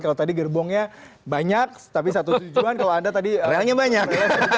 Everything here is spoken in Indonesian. kalau tadi gerbongnya banyak tapi satu tujuan kalau anda tadi relnya banyak